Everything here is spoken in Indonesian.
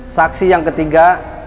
saksi yang ketiga